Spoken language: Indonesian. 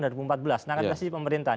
nah kan dari sisi pemerintahan